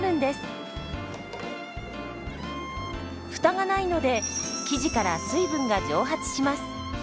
フタがないので生地から水分が蒸発します。